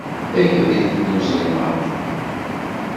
Aɣ abrid-nni n uzelmaḍ.